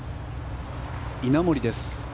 稲森です。